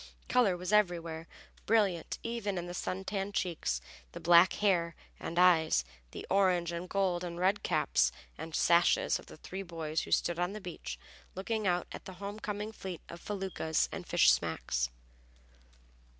Color was everywhere, brilliant even in the sun tanned cheeks, the black hair and eyes, the orange and gold and red caps and sashes of the three boys who stood on the beach, looking out at the home coming fleet of feluccas and fishing smacks.